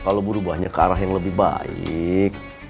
kalau berubahnya ke arah yang lebih baik